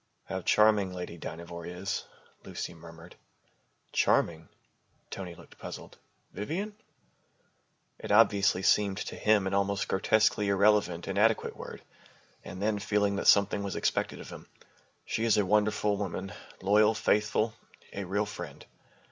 "How charming Lady Dynevor is," Lucy murmured. "Charming?" Tony looked puzzled. "Vivian?" It obviously seemed to him an almost grotesquely irrelevant, inadequate word. And then, feeling that something was expected of him, "She is a wonderful woman, loyal, faithful, a real friend."